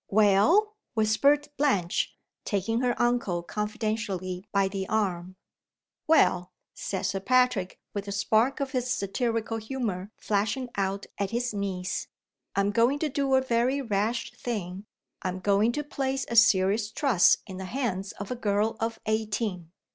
"WELL?" whispered Blanche, taking her uncle confidentially by the arm. "Well," said Sir Patrick, with a spark of his satirical humor flashing out at his niece, "I am going to do a very rash thing. I am going to place a serious trust in the hands of a girl of eighteen."